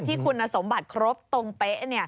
ที่คุณสมบัติครบตรงเป๊ะ